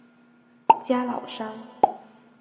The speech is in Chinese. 加瑙山。